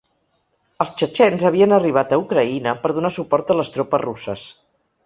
Els txetxens havien arribat a Ucraïna per donar suport a les tropes russes.